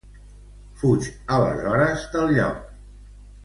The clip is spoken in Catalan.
Fuig aleshores del lloc.